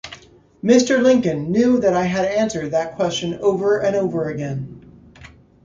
Mr Lincoln knew that I had answered that question over and over again.